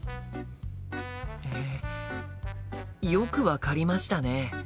えよく分かりましたね！